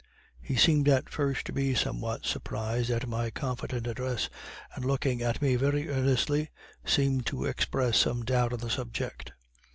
He seemed at first to be somewhat surprised at my confident address, and looking on me very earnestly seemed to express some doubts on the subject.